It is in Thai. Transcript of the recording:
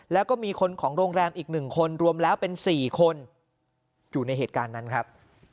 แล้วก็มีคนของโรงแรมอีก๑คนรวมแล้วเป็น๔คนอยู่ในเหตุการณ์นั้นครับ